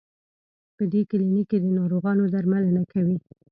په دې کلینک کې د ناروغانو درملنه کوي.